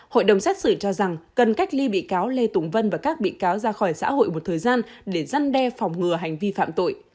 hội đồng xét xử cho rằng cần cách ly bị cáo lê tùng vân và các bị cáo ra khỏi xã hội một thời gian để giăn đe phòng ngừa hành vi phạm tội